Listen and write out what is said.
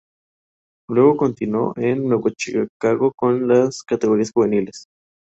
Luego, continuó en Nueva Chicago con las categorías juveniles.